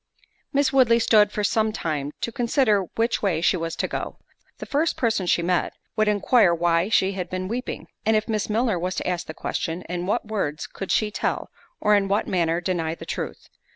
Miss Woodley stood for some time to consider which way she was to go. The first person she met, would enquire why she had been weeping? and if Miss Milner was to ask the question, in what words could she tell, or in what manner deny the truth?